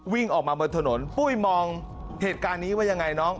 วิ่งออกมาบนถนนปุ้ยมองเหตุการณ์นี้ว่ายังไงน้อง